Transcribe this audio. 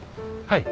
はい。